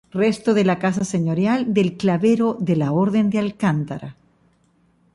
Resto de la casa señorial del clavero de la Orden de Alcántara.